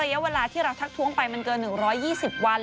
ระยะเวลาที่เราทักท้วงไปมันเกิน๑๒๐วัน